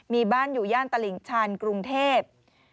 มีบ้านอยู่ย่านตลิ่งชันกรุงเทพ